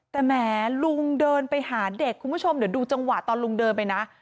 แต่แหมลุงเดินไปหาเด็กคุณผู้ชมเดี๋ยวดูจังหวะตอนลุงเดินไปนะ